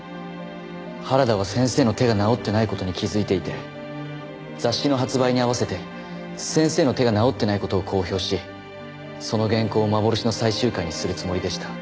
原田は先生の手が治ってない事に気づいていて雑誌の発売に合わせて先生の手が治ってない事を公表しその原稿を幻の最終回にするつもりでした。